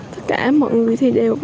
tất cả mọi người thì đều vô cùng